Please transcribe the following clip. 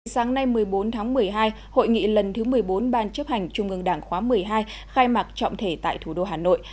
sáng nay một mươi bốn tháng một mươi hai hội nghị lần thứ một mươi bốn ban chấp hành trung ương đảng khóa một mươi hai khai mạc trọng thể tại thủ đô hà nội